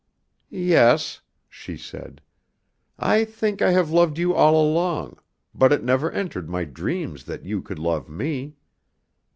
"Yes," she said, "I think I have loved you all along, but it never entered my dreams that you could love me.